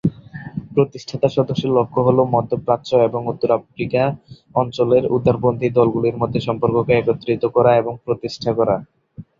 প্রতিষ্ঠাতা সদস্যের লক্ষ্য হলো মধ্য প্রাচ্য এবং উত্তর আফ্রিকা অঞ্চলের উদারপন্থী দলগুলির মধ্যে সম্পর্ককে একত্রিত করা এবং প্রতিষ্ঠা করা।